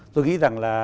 tôi nghĩ rằng là